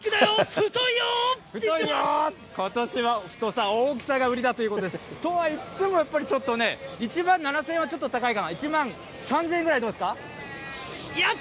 太いよー、ことしは太さ、大きさが売りだということで、とはいっても、やっぱりちょっとね、１万７０００円はちょっと高いかな、１万３０００円ぐらいはどうですか？